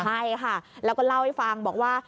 ใช่ค่ะแล้วก็เล่าให้ฟังบอกว่า